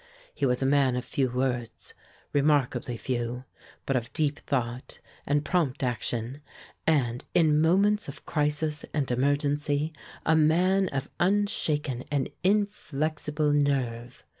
He was a man of few words, remarkably few, but of deep thought and prompt action, and, in moments of crisis and emergency, a man of unshaken and inflexible nerve.